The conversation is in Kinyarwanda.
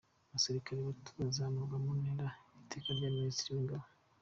Abasirikare Bato bazamurwa mu ntera n’iteka rya Minisitiri w’Ingabo.